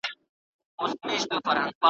الوتني یې کولې و هر لورته ,